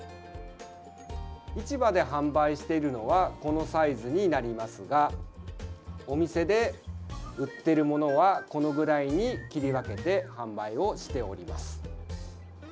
市場で販売しているのはこのサイズになりますがお店で売っているものはこのぐらいに切り分けて販売をしております。